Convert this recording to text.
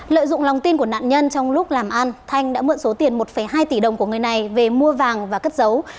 lợi dụng lòng tin của nạn nhân trong lúc làm ăn thanh đã mượn số tiền một hai tỷ đồng của người này về mua vàng và cất dấu